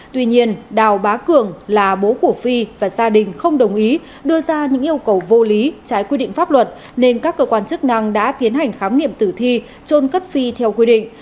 tuy nhiên đào bá cường là bố của phi và gia đình không đồng ý đưa ra những yêu cầu vô lý trái quy định pháp luật nên các cơ quan chức năng đã tiến hành khám nghiệm tử thi trôn cất phi theo quy định